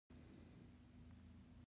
احمد د علي پرده واخيسته.